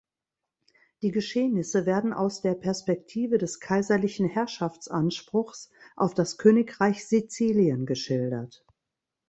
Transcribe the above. Die Geschehnisse werden aus der Perspektive des kaiserlichen Herrschaftsanspruchs auf das Königreich Sizilien geschildert.